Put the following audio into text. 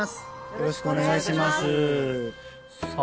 よろしくお願いしますさあ